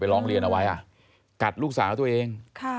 ร้องเรียนเอาไว้กัดลูกสาวตัวเอง